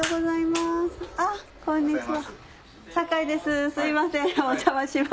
すいませんお邪魔します。